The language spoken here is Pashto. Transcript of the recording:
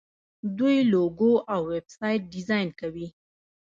دوی لوګو او ویب سایټ ډیزاین کوي.